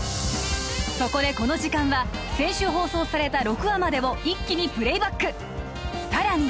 そこでこの時間は先週放送された６話までを一気にプレイバックさらに